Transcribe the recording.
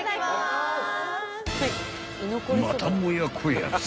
［またもやこやつ］